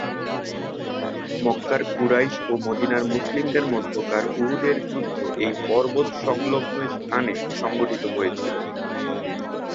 মক্কার কুরাইশ ও মদিনার মুসলিমদের মধ্যকার উহুদের যুদ্ধ এই পর্বত সংলগ্ন স্থানে সংঘটিত হয়েছিল।